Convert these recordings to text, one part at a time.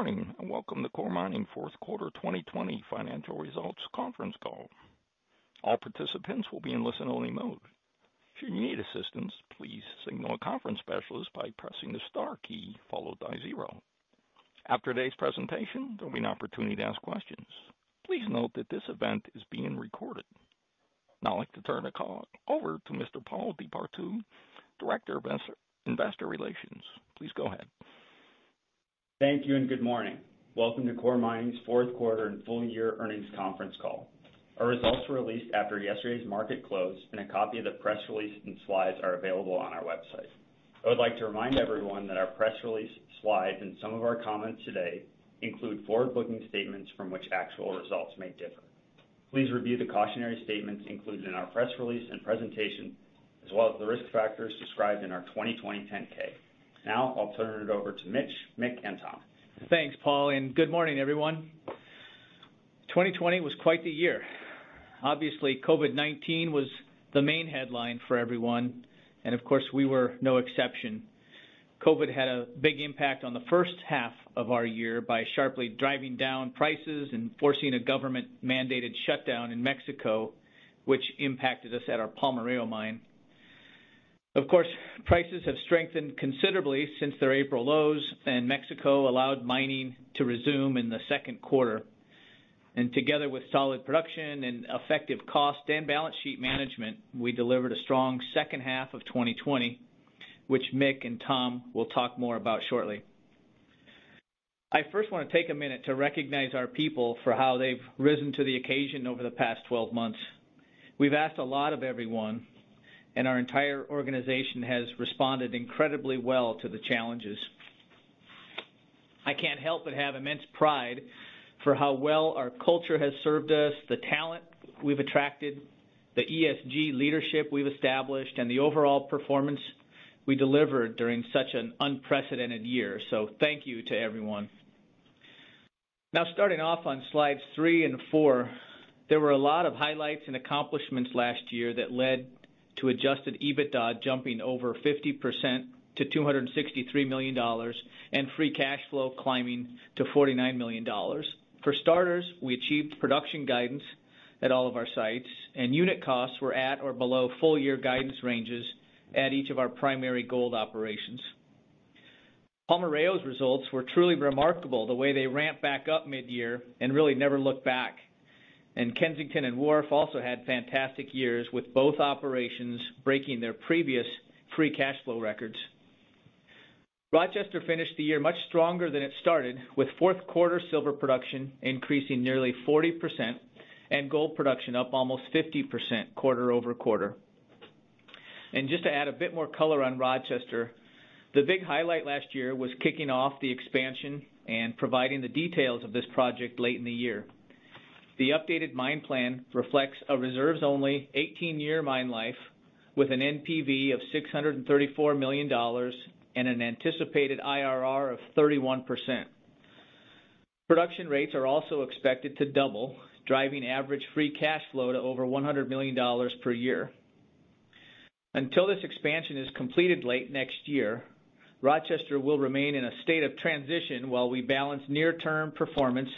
Good morning, and welcome to Coeur Mining's fourth quarter 2020 financial results conference call. All participants will be in listen only mode. If you need assistance, please signal a conference specialist by pressing a star key followed by zero. After today's presentation you will be given opportunity to ask questions. Please note that this event is being recorded. Now, I'd like to turn the call over to Mr. Paul DePartout, Director of Investor Relations. Please go ahead. Thank you, and good morning. Welcome to Coeur Mining's fourth quarter and full year earnings conference call. Our results were released after yesterday's market close, and a copy of the press release and slides are available on our website. I would like to remind everyone that our press release, slides, and some of our comments today include forward-looking statements from which actual results may differ. Please review the cautionary statements included in our press release and presentation, as well as the risk factors described in our 2020 10-K. Now, I'll turn it over to Mitch, Mick, and Tom. Thanks, Paul. Good morning, everyone. 2020 was quite the year. Obviously, COVID-19 was the main headline for everyone, and of course, we were no exception. COVID had a big impact on the first half of our year by sharply driving down prices and forcing a government-mandated shutdown in Mexico, which impacted us at our Palmarejo mine. Of course, prices have strengthened considerably since their April lows, and Mexico allowed mining to resume in the second quarter. Together with solid production and effective cost and balance sheet management, we delivered a strong second half of 2020, which Mick and Tom will talk more about shortly. I first want to take a minute to recognize our people for how they've risen to the occasion over the past 12 months. We've asked a lot of everyone, and our entire organization has responded incredibly well to the challenges. I can't help but have immense pride for how well our culture has served us, the talent we've attracted, the ESG leadership we've established, and the overall performance we delivered during such an unprecedented year. Thank you to everyone. Now, starting off on slides three and four, there were a lot of highlights and accomplishments last year that led to adjusted EBITDA jumping over 50% to $263 million and free cash flow climbing to $49 million. For starters, we achieved production guidance at all of our sites, and unit costs were at or below full-year guidance ranges at each of our primary gold operations. Palmarejo's results were truly remarkable, the way they ramped back up mid-year and really never looked back. Kensington and Wharf also had fantastic years, with both operations breaking their previous free cash flow records. Rochester finished the year much stronger than it started, with fourth quarter silver production increasing nearly 40% and gold production up almost 50% quarter-over-quarter. Just to add a bit more color on Rochester, the big highlight last year was kicking off the expansion and providing the details of this project late in the year. The updated mine plan reflects a reserves-only 18-year mine life with an NPV of $634 million and an anticipated IRR of 31%. Production rates are also expected to double, driving average free cash flow to over $100 million per year. Until this expansion is completed late next year, Rochester will remain in a state of transition while we balance near-term performance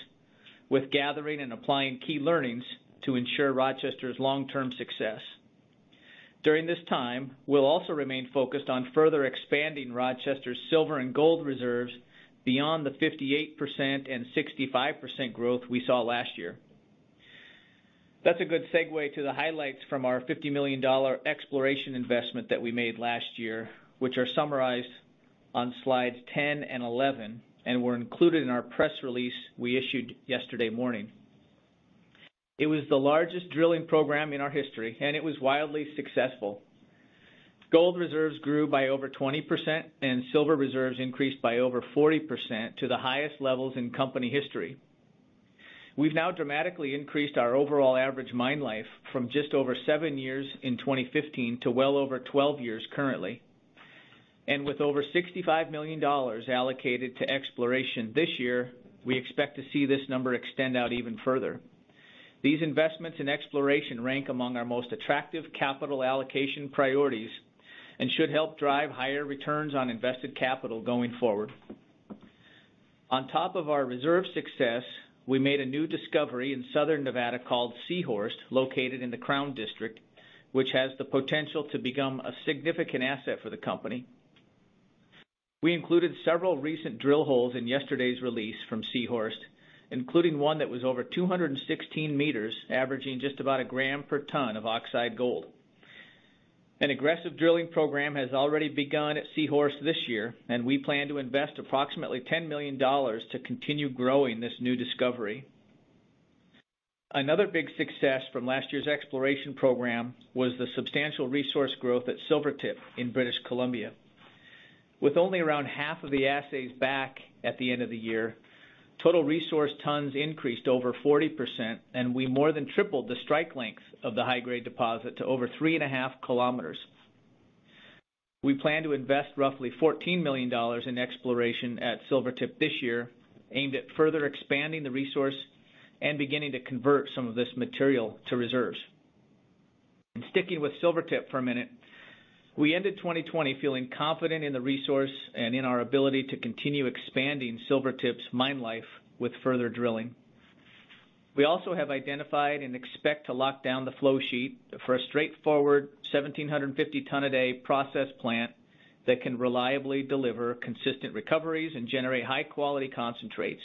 with gathering and applying key learnings to ensure Rochester's long-term success. During this time, we'll also remain focused on further expanding Rochester's silver and gold reserves beyond the 58% and 65% growth we saw last year. That's a good segue to the highlights from our $50 million exploration investment that we made last year, which are summarized on slides 10 and 11 and were included in our press release we issued yesterday morning. It was the largest drilling program in our history, and it was wildly successful. Gold reserves grew by over 20%, and silver reserves increased by over 40% to the highest levels in company history. We've now dramatically increased our overall average mine life from just over seven years in 2015 to well over 12 years currently. With over $65 million allocated to exploration this year, we expect to see this number extend out even further. These investments in exploration rank among our most attractive capital allocation priorities and should help drive higher returns on invested capital going forward. On top of our reserve success, we made a new discovery in Southern Nevada called C-Horst, located in the Crown District, which has the potential to become a significant asset for the company. We included several recent drill holes in yesterday's release from C-Horst, including one that was over 216 m, averaging just about a gram per ton of oxide gold. An aggressive drilling program has already begun at C-Horst this year. We plan to invest approximately $10 million to continue growing this new discovery. Another big success from last year's exploration program was the substantial resource growth at Silvertip in British Columbia. With only around half of the assays back at the end of the year, total resource tons increased over 40%, and we more than tripled the strike length of the high-grade deposit to over 3.5 km. We plan to invest roughly $14 million in exploration at Silvertip this year, aimed at further expanding the resource and beginning to convert some of this material to reserves. Sticking with Silvertip for a minute, we ended 2020 feeling confident in the resource and in our ability to continue expanding Silvertip's mine life with further drilling. We also have identified and expect to lock down the flow sheet for a straightforward 1,750 ton a day process plant that can reliably deliver consistent recoveries and generate high-quality concentrates.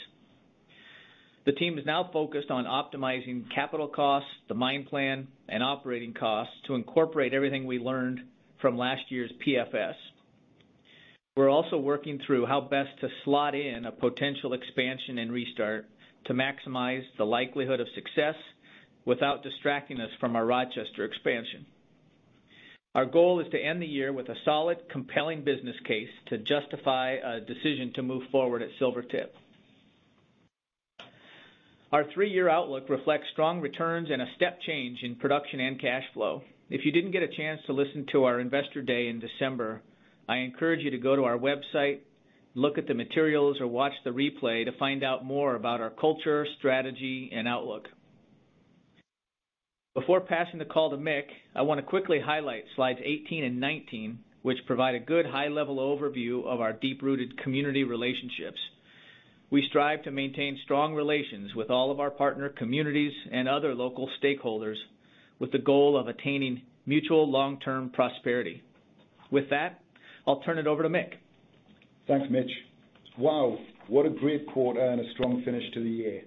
The team is now focused on optimizing capital costs, the mine plan, and operating costs to incorporate everything we learned from last year's PFS. We're also working through how best to slot in a potential expansion and restart to maximize the likelihood of success without distracting us from our Rochester expansion. Our goal is to end the year with a solid, compelling business case to justify a decision to move forward at Silvertip. Our three-year outlook reflects strong returns and a step change in production and cash flow. If you didn't get a chance to listen to our Investor Day in December, I encourage you to go to our website, look at the materials, or watch the replay to find out more about our culture, strategy, and outlook. Before passing the call to Mick, I want to quickly highlight slides 18 and 19, which provide a good high-level overview of our deep-rooted community relationships. We strive to maintain strong relations with all of our partner communities and other local stakeholders with the goal of attaining mutual long-term prosperity. With that, I'll turn it over to Mick. Thanks, Mitch. Wow, what a great quarter and a strong finish to the year.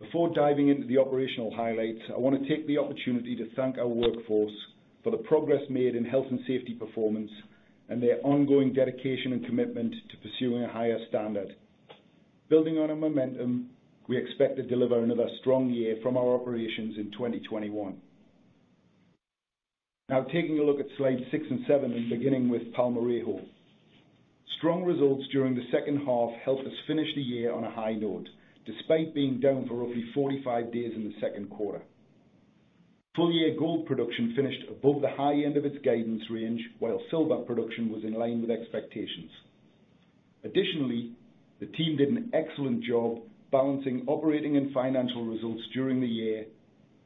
Before diving into the operational highlights, I want to take the opportunity to thank our workforce for the progress made in health and safety performance and their ongoing dedication and commitment to pursuing a higher standard. Building on our momentum, we expect to deliver another strong year from our operations in 2021. Now, taking a look at slides six and seven and beginning with Palmarejo. Strong results during the second half helped us finish the year on a high note, despite being down for roughly 45 days in the second quarter. Full-year gold production finished above the high end of its guidance range, while silver production was in line with expectations. Additionally, the team did an excellent job balancing operating and financial results during the year,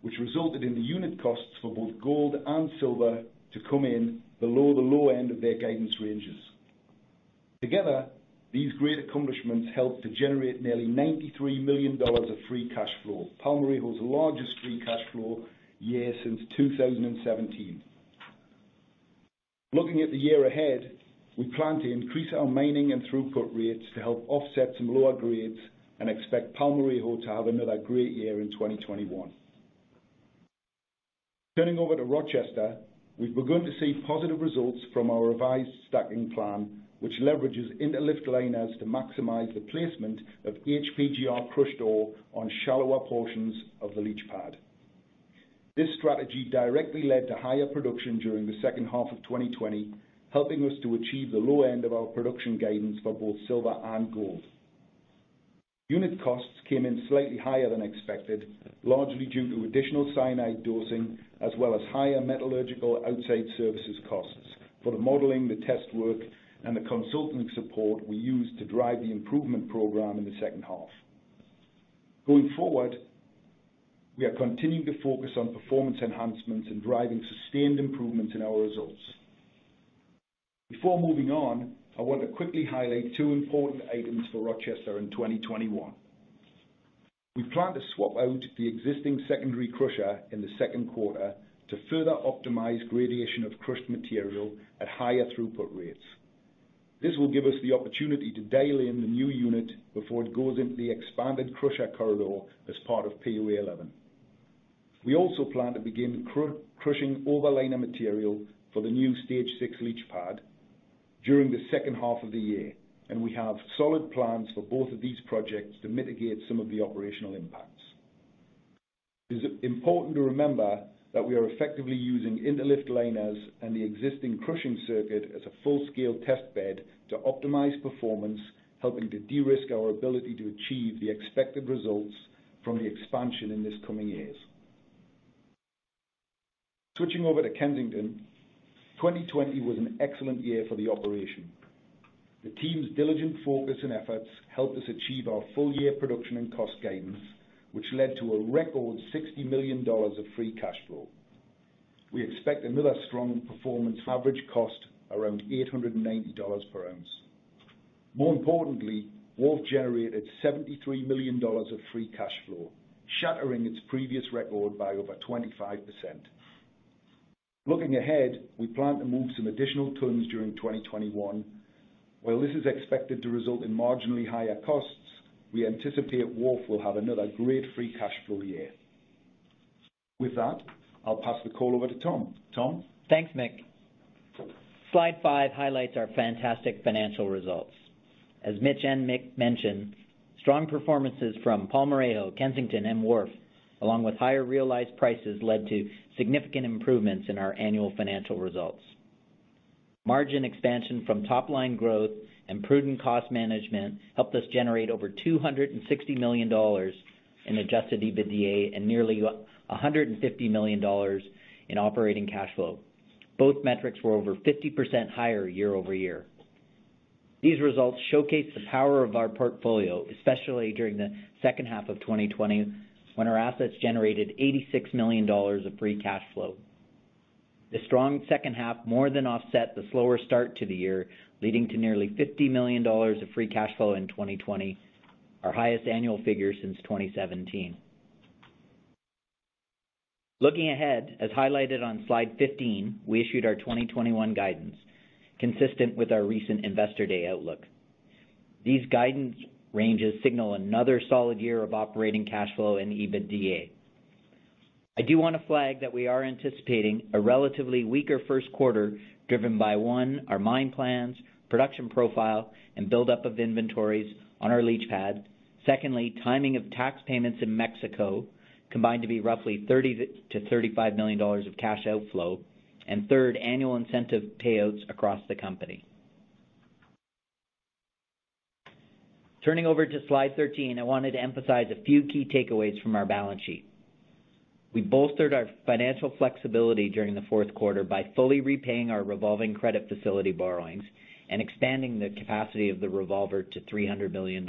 which resulted in the unit costs for both gold and silver to come in below the low end of their guidance ranges. Together, these great accomplishments helped to generate nearly $93 million of free cash flow, Palmarejo's largest free cash flow year since 2017. Looking at the year ahead, we plan to increase our mining and throughput rates to help offset some lower grades and expect Palmarejo to have another great year in 2021. Turning over to Rochester, we began to see positive results from our revised stacking plan, which leverages inter-lift liners to maximize the placement of HPGR crushed ore on shallower portions of the leach pad. This strategy directly led to higher production during the second half of 2020, helping us to achieve the low end of our production guidance for both silver and gold. Unit costs came in slightly higher than expected, largely due to additional cyanide dosing as well as higher metallurgical outside services costs for the modeling, the test work, and the consulting support we used to drive the improvement program in the second half. Going forward, we are continuing to focus on performance enhancements and driving sustained improvement in our results. Before moving on, I want to quickly highlight two important items for Rochester in 2021. We plan to swap out the existing secondary crusher in the second quarter to further optimize gradation of crushed material at higher throughput rates. This will give us the opportunity to dial in the new unit before it goes into the expanded crusher corridor as part of POA 11. We also plan to begin crushing overliner material for the new Stage VI leach pad during the second half of the year, and we have solid plans for both of these projects to mitigate some of the operational impacts. It is important to remember that we are effectively using inter-lift liners and the existing crushing circuit as a full-scale test bed to optimize performance, helping to de-risk our ability to achieve the expected results from the expansion in these coming years. Switching over to Kensington, 2020 was an excellent year for the operation. The team's diligent focus and efforts helped us achieve our full-year production and cost guidance, which led to a record $60 million of free cash flow. We expect another strong performance average cost around $890 per ounce. More importantly, Wharf generated $73 million of free cash flow, shattering its previous record by over 25%. Looking ahead, we plan to move some additional tons during 2021. While this is expected to result in marginally higher costs, we anticipate Wharf will have another great free cash flow year. With that, I'll pass the call over to Tom. Tom? Thanks, Mick. Slide five highlights our fantastic financial results. As Mitch and Mick mentioned, strong performances from Palmarejo, Kensington, and Wharf, along with higher realized prices, led to significant improvements in our annual financial results. Margin expansion from top-line growth and prudent cost management helped us generate over $260 million in adjusted EBITDA and nearly $150 million in operating cash flow. Both metrics were over 50% higher year-over-year. These results showcase the power of our portfolio, especially during the second half of 2020, when our assets generated $86 million of free cash flow. The strong second half more than offset the slower start to the year, leading to nearly $50 million of free cash flow in 2020, our highest annual figure since 2017. Looking ahead, as highlighted on slide 15, we issued our 2021 guidance, consistent with our recent Investor Day outlook. These guidance ranges signal another solid year of operating cash flow and EBITDA. I do want to flag that we are anticipating a relatively weaker first quarter, driven by, one, our mine plans, production profile, and build-up of inventories on our leach pad. Secondly, timing of tax payments in Mexico combined to be roughly $30 million-$35 million of cash outflow. Third, annual incentive payouts across the company. Turning over to slide 13, I wanted to emphasize a few key takeaways from our balance sheet. We bolstered our financial flexibility during the fourth quarter by fully repaying our revolving credit facility borrowings and expanding the capacity of the revolver to $300 million.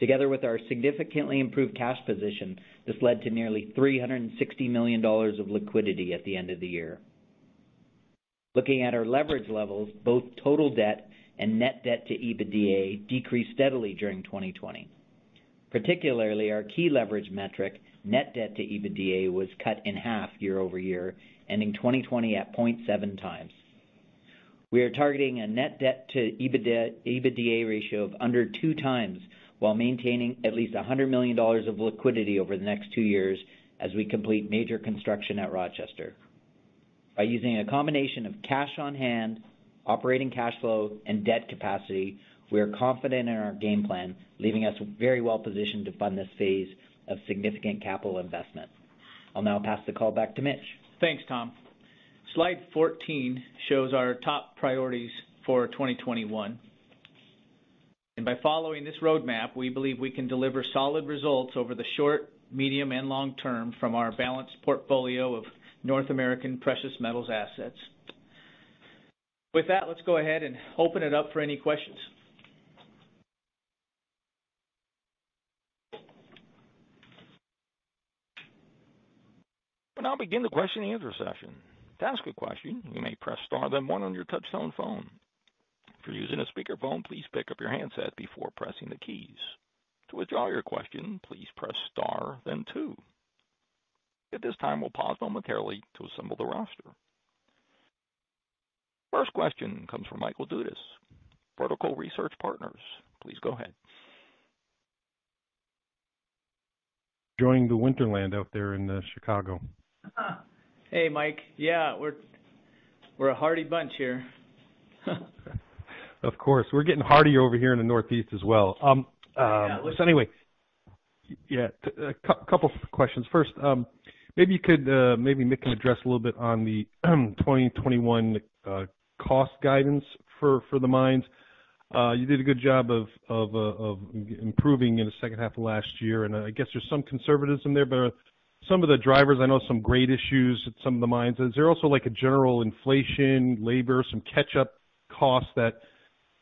Together with our significantly improved cash position, this led to nearly $360 million of liquidity at the end of the year. Looking at our leverage levels, both total debt and net debt to EBITDA decreased steadily during 2020. Particularly, our key leverage metric, net debt to EBITDA, was cut in half year-over-year, ending 2020 at 0.7x. We are targeting a net debt to EBITDA ratio of under 2x while maintaining at least $100 million of liquidity over the next two years as we complete major construction at Rochester. By using a combination of cash on hand, operating cash flow, and debt capacity, we are confident in our game plan, leaving us very well positioned to fund this phase of significant capital investment. I'll now pass the call back to Mitch. Thanks, Tom. Slide 14 shows our top priorities for 2021. By following this roadmap, we believe we can deliver solid results over the short, medium, and long term from our balanced portfolio of North American precious metals assets. With that, let's go ahead and open it up for any questions. I'll begin the question and answer session. To ask a question, you may press star then one on your touchtone phone. If you are on a speakerphone, please pick up your handset before pressing the keys. To withdraw your question, please press star then two. At this time will pause momentarily to assemble the roster. First question comes from Michael Dudas, Vertical Research Partners. Please go ahead. Enjoying the winter land out there in Chicago. Hey, Mike. Yeah, we're a hardy bunch here. Of course. We're getting hardy over here in the Northeast as well. Yeah. Anyway. Yeah, a couple of questions. First, maybe Mick can address a little bit on the 2021 cost guidance for the mines. You did a good job of improving in the second half of last year, and I guess there's some conservatism there. Some of the drivers, I know some grade issues at some of the mines. Is there also like a general inflation, labor, some catch-up costs that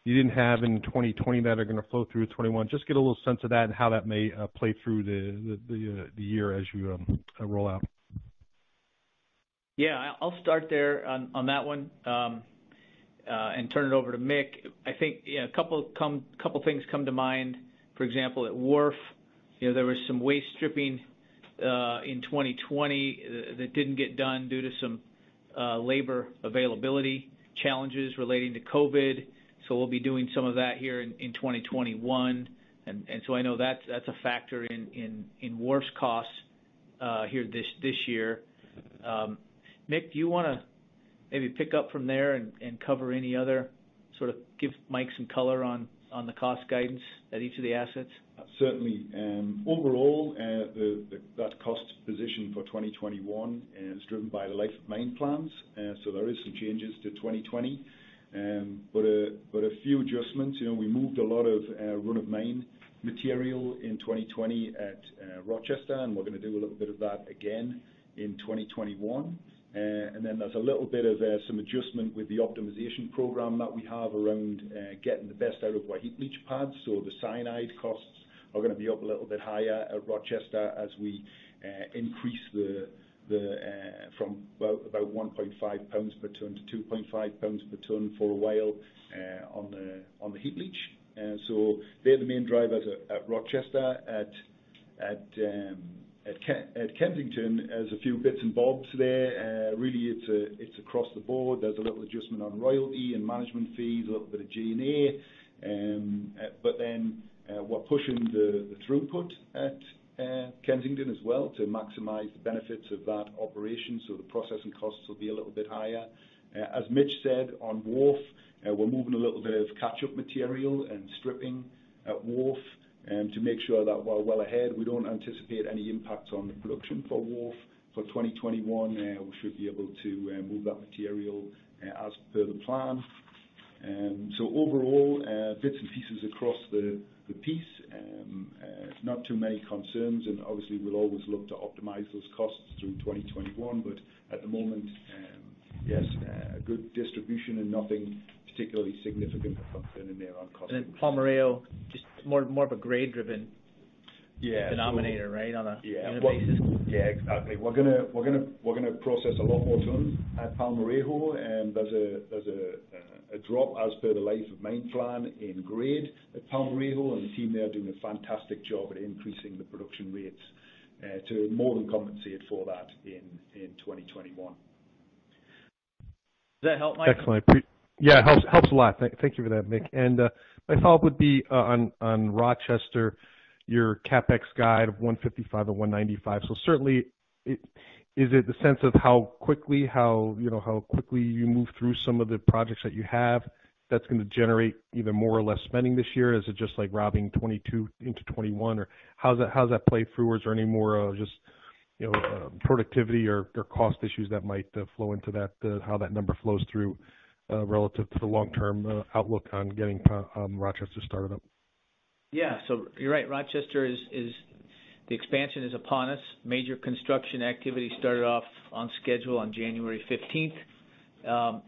you didn't have in 2020 that are going to flow through 2021? Just get a little sense of that and how that may play through the year as you roll out. Yeah, I'll start there on that one, and turn it over to Mick. I think a couple things come to mind. For example, at Wharf, there was some waste stripping in 2020 that didn't get done due to some labor availability challenges relating to COVID. We'll be doing some of that here in 2021. I know that's a factor in Wharf's costs this year. Mick, do you want to maybe pick up from there and cover any other, sort of give Mike some color on the cost guidance at each of the assets? Certainly. Overall, that cost position for 2021 is driven by the life of mine plans. There is some changes to 2020. A few adjustments. We moved a lot of run of mine material in 2020 at Rochester, and we're going to do a little bit of that again in 2021. There's a little bit of some adjustment with the optimization program that we have around getting the best out of our heap leach pad. The cyanide costs are going to be up a little bit higher at Rochester as we increase from about 1.5 lbs per ton to 2.5 lbs per ton for a while on the heap leach. They're the main drivers at Rochester. At Kensington, there's a few bits and bobs there. Really, it's across the board. There's a little adjustment on royalty and management fees, a little bit of G&A. We're pushing the throughput at Kensington as well to maximize the benefits of that operation. The processing costs will be a little bit higher. As Mitch said, on Wharf, we're moving a little bit of catch-up material and stripping at Wharf to make sure that we're well ahead. We don't anticipate any impact on the production for Wharf for 2021. We should be able to move that material as per the plan. Bits and pieces across the piece. Not too many concerns. Obviously, we'll always look to optimize those costs through 2021. At the moment, yes, a good distribution and nothing particularly significant or concerning there on cost. Palmarejo, just more of a grade driven. Yeah denominator, right? On a year-over-year basis. Yeah, exactly. We're going to process a lot more tons at Palmarejo. There's a drop as per the life of mine plan in grade at Palmarejo, and the team there are doing a fantastic job at increasing the production rates to more than compensate for that in 2021. Does that help, Mike? Excellent. Yeah, helps a lot. Thank you for that, Mick. My follow-up would be on Rochester, your CapEx guide of $155 million-$195 million. Certainly, is it the sense of how quickly you move through some of the projects that you have that's going to generate either more or less spending this year? Is it just like robbing 2022 into 2021, or how's that play through? Is there any more of just productivity or cost issues that might flow into how that number flows through, relative to the long-term outlook on getting Rochester started up? Yeah. You're right, Rochester, the expansion is upon us. Major construction activity started off on schedule on January 15th.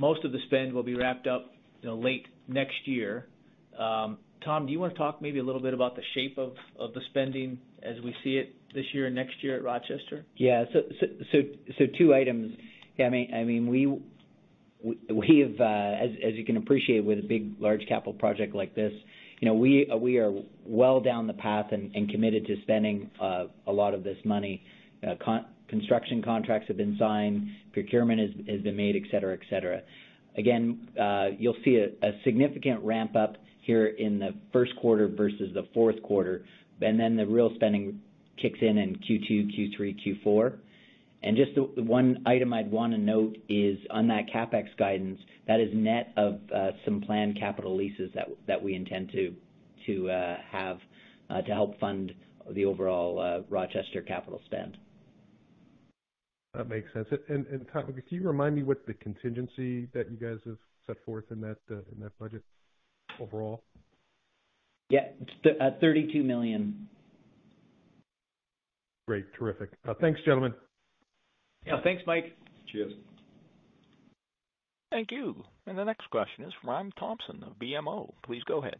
Most of the spend will be wrapped up late next year. Tom, do you want to talk maybe a little bit about the shape of the spending as we see it this year and next year at Rochester? Two items. As you can appreciate with a big, large capital project like this, we are well down the path and committed to spending a lot of this money. Construction contracts have been signed, procurement has been made, et cetera. Again, you'll see a significant ramp-up here in the first quarter versus the fourth quarter, and then the real spending kicks in in Q2, Q3, Q4. Just the one item I'd want to note is on that CapEx guidance, that is net of some planned capital leases that we intend to have to help fund the overall Rochester capital spend. That makes sense. Tom, can you remind me what the contingency that you guys have set forth in that budget overall? Yeah. It's $32 million. Great. Terrific. Thanks, gentlemen. Yeah. Thanks, Mike. Cheers. Thank you. The next question is from Ryan Thompson of BMO. Please go ahead.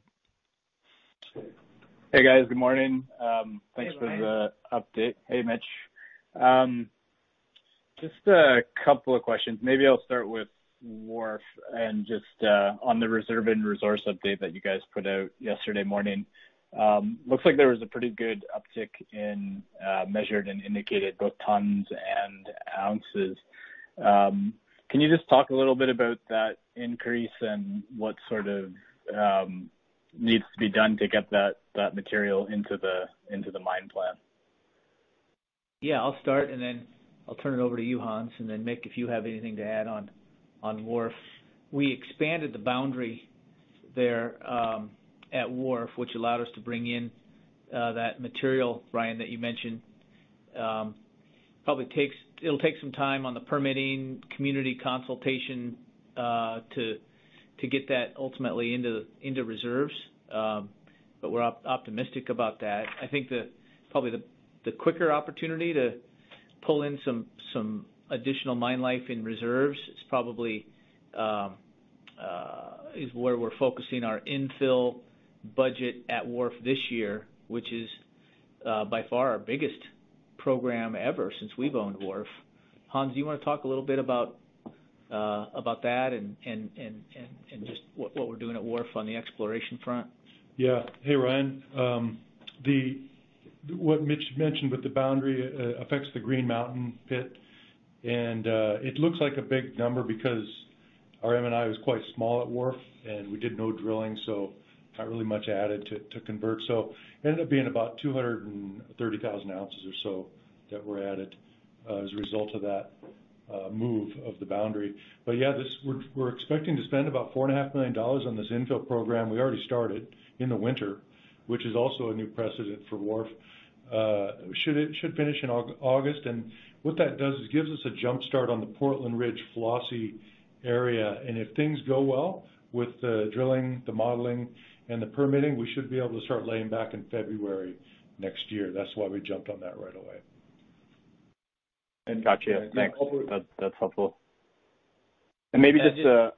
Hey, guys. Good morning. Hey, Ryan. Thanks for the update. Hey, Mitch. Just a couple of questions. Maybe I'll start with Wharf and just on the reserve and resource update that you guys put out yesterday morning. Looks like there was a pretty good uptick in measured and indicated, both tons and ounces. Can you just talk a little bit about that increase and what sort of needs to be done to get that material into the mine plan? I'll start and then I'll turn it over to you, Hans, and then Mick, if you have anything to add on Wharf. We expanded the boundary there at Wharf, which allowed us to bring in that material, Ryan, that you mentioned. It'll take some time on the permitting community consultation to get that ultimately into reserves. We're optimistic about that. I think probably the quicker opportunity to pull in some additional mine life in reserves is where we're focusing our infill budget at Wharf this year, which is by far our biggest program ever since we've owned Wharf. Hans, do you want to talk a little bit about that and just what we're doing at Wharf on the exploration front? Hey, Ryan. What Mitch mentioned with the boundary affects the Green Mountain pit, it looks like a big number because our M&I was quite small at Wharf, and we did no drilling, so not really much added to convert. It ended up being about 230,000 oz or so that were added as a result of that move of the boundary. We're expecting to spend about $4.5 million on this infill program. We already started in the winter, which is also a new precedent for Wharf. Should finish in August. What that does is gives us a jumpstart on the Portland Ridge-Flossie area. If things go well with the drilling, the modeling, and the permitting, we should be able to start laying back in February next year. That's why we jumped on that right away. Got you. Thanks. That's helpful. Ryan.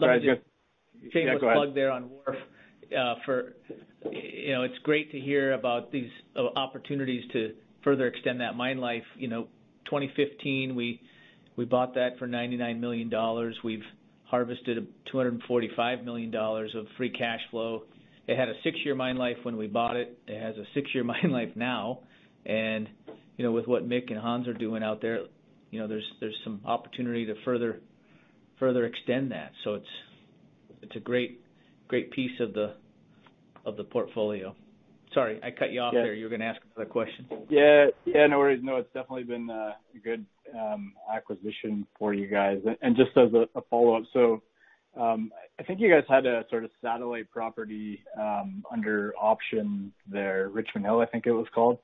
Sorry. Yeah, go ahead. Change the plug there on Wharf. It's great to hear about these opportunities to further extend that mine life. 2015, we bought that for $99 million. We've harvested $245 million of free cash flow. It had a six-year mine life when we bought it. It has a six-year mine life now. With what Mick and Hans are doing out there's some opportunity to further extend that. It's a great piece of the portfolio. Sorry, I cut you off there. You were going to ask another question. Yeah, no worries. No, it's definitely been a good acquisition for you guys. Just as a follow-up. I think you guys had a sort of satellite property under option there, Richmond Hill, I think it was called.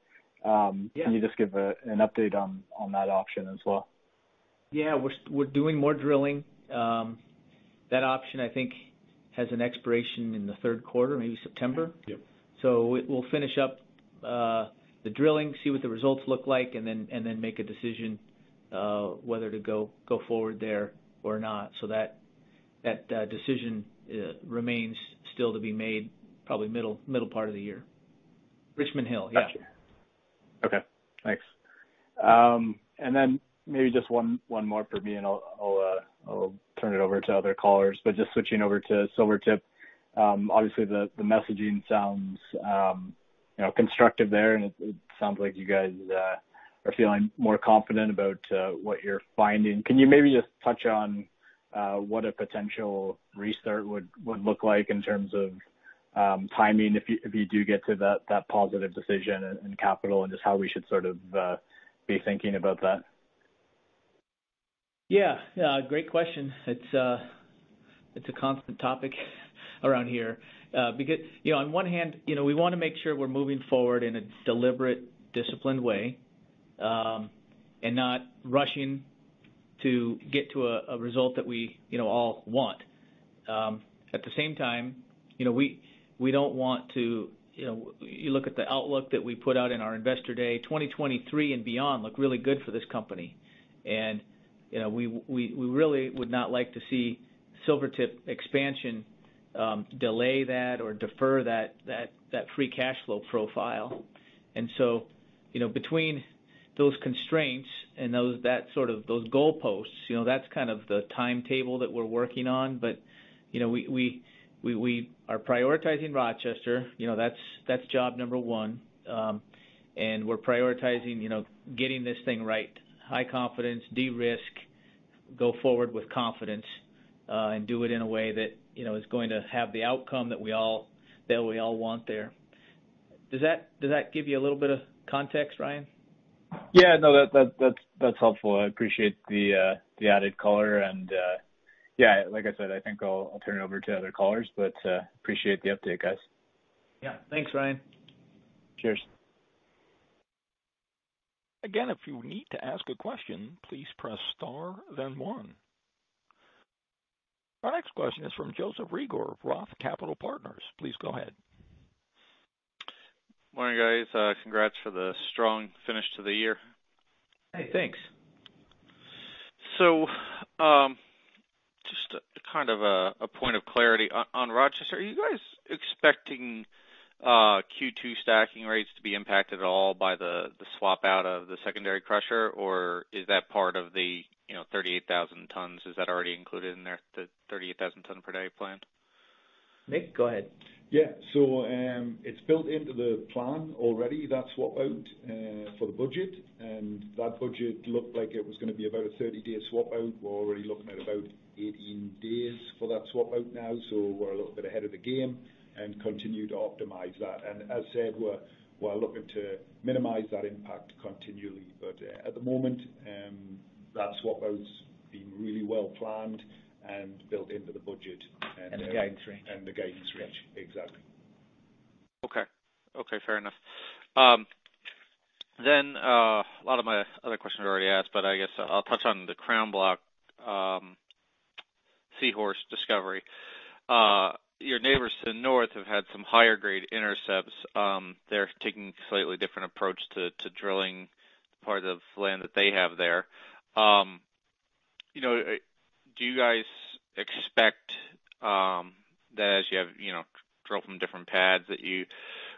Yeah. Can you just give an update on that option as well? Yeah, we're doing more drilling. That option, I think, has an expiration in the third quarter, maybe September. Yep. We'll finish up the drilling, see what the results look like, and then make a decision whether to go forward there or not. That decision remains still to be made, probably middle part of the year. Richmond Hill. Yeah. Got you. Okay, thanks. Then maybe just one more from me, and I'll turn it over to other callers. Just switching over to Silvertip. Obviously, the messaging sounds constructive there, and it sounds like you guys are feeling more confident about what you're finding. Can you maybe just touch on what a potential restart would look like in terms of timing, if you do get to that positive decision and capital, and just how we should sort of be thinking about that? Yeah. Great question. It's a constant topic around here. On one hand, we want to make sure we're moving forward in a deliberate, disciplined way, and not rushing to get to a result that we all want. At the same time, you look at the outlook that we put out in our Investor Day 2023 and beyond look really good for this company. We really would not like to see Silvertip expansion delay that or defer that free cash flow profile. Between those constraints and those goalposts, that's kind of the timetable that we're working on. We are prioritizing Rochester. That's job number one. We're prioritizing getting this thing right. High confidence, de-risk, go forward with confidence, and do it in a way that is going to have the outcome that we all want there. Does that give you a little bit of context, Ryan? No, that's helpful. I appreciate the added color and, yeah, like I said, I think I'll turn it over to other callers, but appreciate the update, guys. Yeah. Thanks, Ryan. Cheers. Again, if you need to ask a question, please press star then one. Our next question is from Joseph Reagor of Roth Capital Partners. Please go ahead. Morning, guys. Congrats for the strong finish to the year. Hey, thanks. Just a kind of a point of clarity on Rochester. Are you guys expecting Q2 stacking rates to be impacted at all by the swap out of the secondary crusher? Is that part of the 38,000 tons? Is that already included in there, the 38,000 ton per day plan? Mick, go ahead. Yeah. It's built into the plan already, that swap out for the budget. That budget looked like it was going to be about a 30-day swap out. We're already looking at about 18 days for that swap out now. We're a little bit ahead of the game and continue to optimize that. As said, we're looking to minimize that impact continually. At the moment, that swap out's been really well planned and built into the budget. The guidance range The guidance range. Exactly. Okay. Fair enough. A lot of my other questions were already asked, but I guess I'll touch on the Crown Block C-Horst discovery. Your neighbors to the north have had some higher grade intercepts. They're taking a slightly different approach to drilling the part of the land that they have there. Do you guys expect that as you have drilled from different pads, that you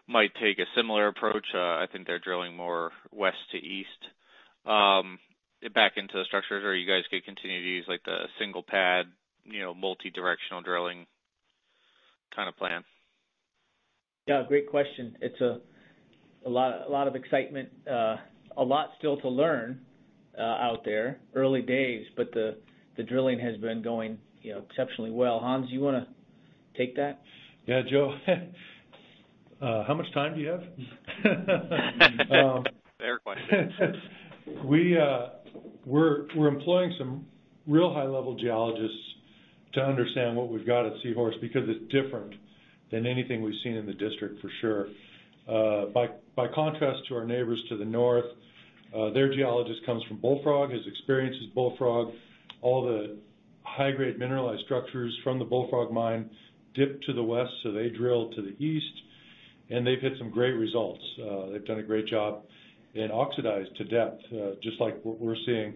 might take a similar approach? I think they're drilling more west to east, back into the structures. You guys could continue to use the single pad, multi-directional drilling kind of plan. Yeah, great question. It's a lot of excitement, a lot still to learn out there, early days, but the drilling has been going exceptionally well. Hans, you want to take that? Yeah. Joe, how much time do you have? Fair question. We're employing some real high-level geologists to understand what we've got at C-Horst, because it's different than anything we've seen in the district, for sure. By contrast to our neighbors to the north, their geologist comes from Bullfrog, his experience is Bullfrog. All the high-grade mineralized structures from the Bullfrog mine dip to the west, so they drill to the east. They've hit some great results. They've done a great job in oxidized to depth, just like what we're seeing.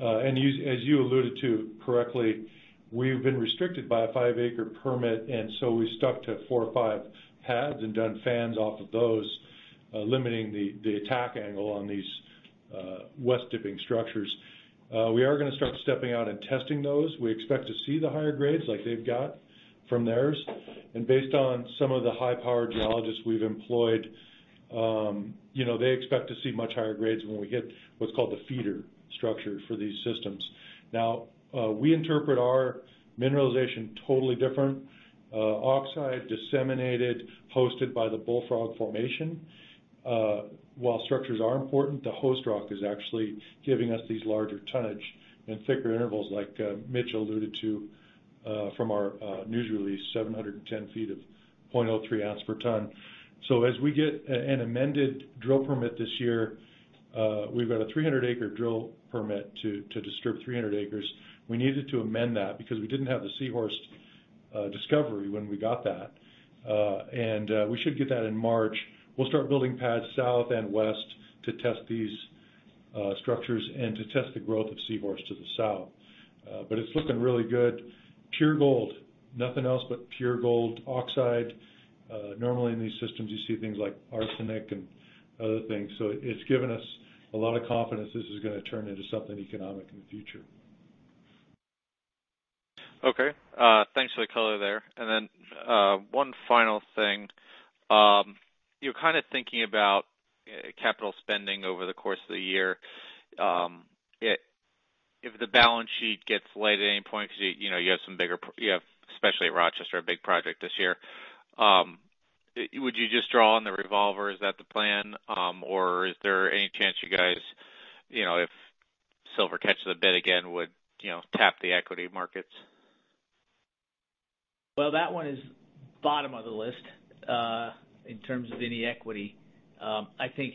As you alluded to correctly, we've been restricted by a five-acre permit, we've stuck to four or five pads and done fans off of those, limiting the attack angle on these west-dipping structures. We are going to start stepping out and testing those. We expect to see the higher grades like they've got from theirs. Based on some of the high-powered geologists we've employed, they expect to see much higher grades when we hit what's called the feeder structure for these systems. We interpret our mineralization totally different. Oxide disseminated, hosted by the Bullfrog formation. While structures are important, the host rock is actually giving us these larger tonnage and thicker intervals like Mitch alluded to from our news release, 710 ft of 0.03 oz per ton. As we get an amended drill permit this year, we've got a 300-acre drill permit to disturb 300 acres. We needed to amend that because we didn't have the C-Horst discovery when we got that. We should get that in March. We'll start building pads south and west to test these structures and to test the growth of C-Horst to the south. It's looking really good. Pure gold, nothing else but pure gold oxide. Normally, in these systems, you see things like arsenic and other things. It's given us a lot of confidence this is going to turn into something economic in the future. Okay. Thanks for the color there. Then, one final thing. You're kind of thinking about capital spending over the course of the year. If the balance sheet gets light at any point, because you have, especially at Rochester, a big project this year. Would you just draw on the revolver? Is that the plan? Is there any chance you guys, if silver catches a bid again, would tap the equity markets? Well, that one is bottom of the list, in terms of any equity. I think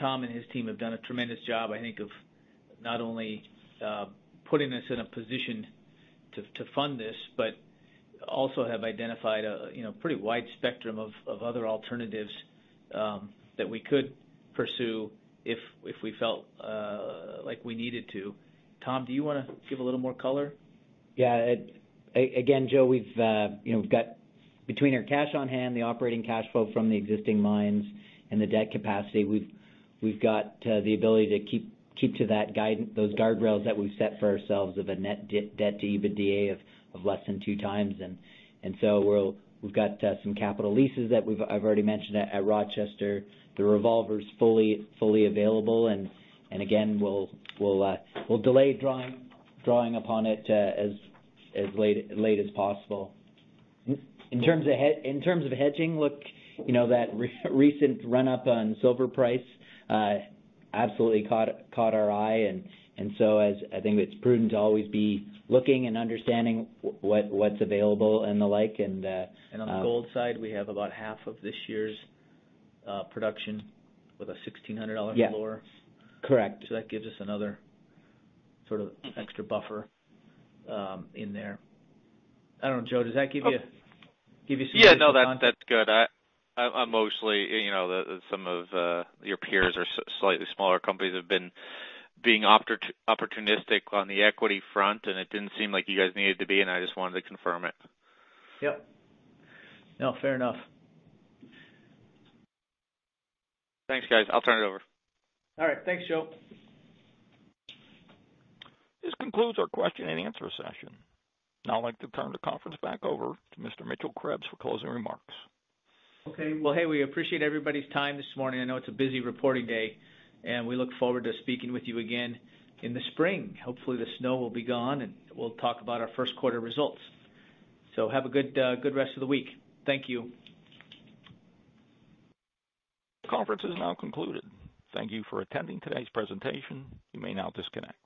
Tom and his team have done a tremendous job, I think, of not only putting us in a position to fund this, but also have identified a pretty wide spectrum of other alternatives that we could pursue if we felt like we needed to. Tom, do you want to give a little more color? Yeah. Again, Joe, between our cash on hand, the operating cash flow from the existing mines, and the debt capacity, we've got the ability to keep to those guardrails that we've set for ourselves of a net debt to EBITDA of less than 2x. We've got some capital leases that I've already mentioned at Rochester. The revolver's fully available. Again, we'll delay drawing upon it as late as possible. In terms of hedging, look, that recent run up on silver price absolutely caught our eye. I think it's prudent to always be looking and understanding what's available and the like. On the gold side, we have about half of this year's production with a $1,600 floor. Yeah. Correct. That gives us another sort of extra buffer in there. I don't know, Joe, does that give you some? Yeah, no, that's good. Mostly, some of your peers or slightly smaller companies have been being opportunistic on the equity front, and it didn't seem like you guys needed to be, and I just wanted to confirm it. Yep. No, fair enough. Thanks, guys. I'll turn it over. All right. Thanks, Joe. This concludes our question and answer session. Now I'd like to turn the conference back over to Mr. Mitchell Krebs for closing remarks. Okay. Well, hey, we appreciate everybody's time this morning. I know it's a busy reporting day. We look forward to speaking with you again in the spring. Hopefully, the snow will be gone, and we'll talk about our first quarter results. Have a good rest of the week. Thank you. The conference is now concluded. Thank you for attending today's presentation. You may now disconnect.